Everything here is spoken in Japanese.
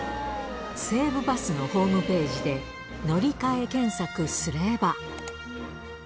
西武バスのホームページで、乗り換え検索すれば。